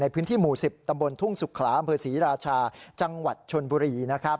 ในพื้นที่หมู่สิบตำบลทุ่งสุขลามศรีราชาจังหวัดชนบุรีนะครับ